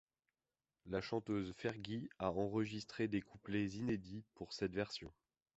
La chanteuse Fergie a enregistré des couplets inédits pour cette version.